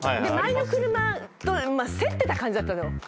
で周りの車と競ってた感じだったの。